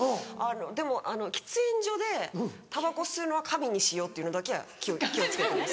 でも喫煙所でたばこ吸うのは紙にしようっていうのだけは気を付けてます。